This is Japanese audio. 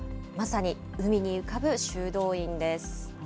まさに海に浮かぶ修道院です。